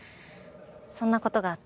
そんな事があって。